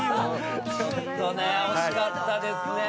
惜しかったですね。